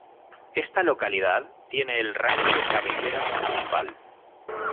Esta localidad tiene el rango de cabecera municipal.